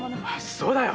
そうだよ。